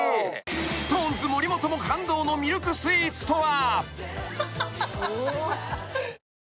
［ＳｉｘＴＯＮＥＳ森本も感動のミルクスイーツとは］